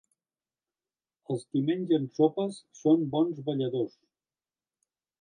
Els qui mengen sopes són bons balladors.